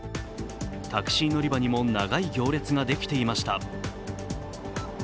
タクシー乗り場にも長い行列ができていました。